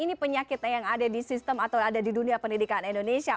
ini penyakit yang ada di sistem atau ada di dunia pendidikan indonesia